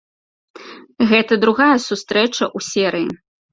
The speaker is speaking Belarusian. Гэта другая сустрэча ў серыі.